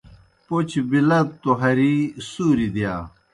پوْچوْ بِلَدوْ توْ ہری سُوریْ دِیا۔